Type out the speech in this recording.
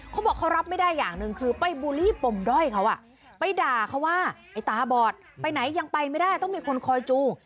เขาบอกเขารับไม่ได้อย่างหนึ่งคือไปบูลลี่ปมด้อยเขาไปด่าเขาว่าไอ้ตาบอดไปไหนยังไปไม่ได้ต้องมีคนคอยจูง